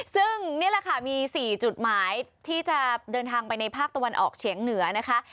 ซึ่งนี่แหละค่ะมี๔จุดหมายที่จะเดินทางไปในภาคตะวันออกเฉียงเหนือนะคะ